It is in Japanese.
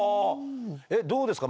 えっどうですか？